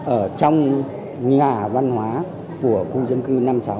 ở trong nhà văn hóa của khu dân cư năm mươi sáu